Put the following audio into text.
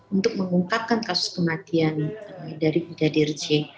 untuk mengungkapkan kasus kematian dari brigadir j